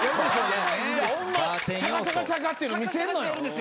ホンマシャカシャカシャカっていうの見せるのよ。